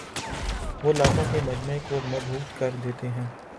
وہ لاکھوں کے مجمعے کو مبہوت کر دیتے ہیں